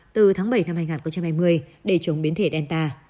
từ tháng bảy năm hai nghìn hai mươi để chống biến thể delta